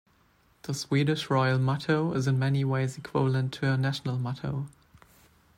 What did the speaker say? The Swedish royal motto is in many ways equivalent to a national motto.